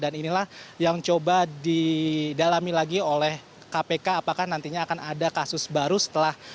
dan inilah yang coba didalami lagi oleh kpk apakah nantinya akan ada kasus baru setelah